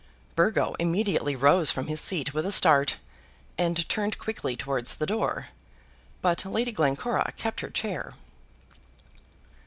Burgo immediately rose from his seat with a start, and turned quickly towards the door; but Lady Glencora kept her chair.